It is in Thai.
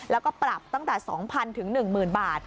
แล้วก็ปรับตั้งแต่๒๐๐๐๑๐๐บาท